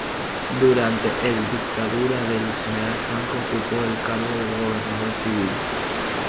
Durante el Dictadura del general Franco ocupó el cargo de gobernador civil.